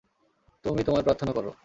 তুমি তোমার প্রার্থনা করো!